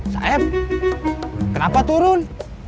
saeb kenapa turun